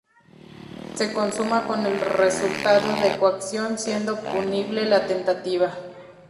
Se consuma con el resultado de coacción, siendo punible la tentativa.